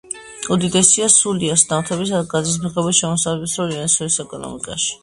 უდიდესია სულიას ნავთობისა და გაზით მიღებული შემოსავლების როლი ვენესუელის ეკონომიკაში.